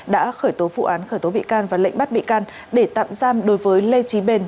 đã khởi tố vụ án khởi tố bị can và lệnh bắt bị can để tạm giam đối với lê trí bền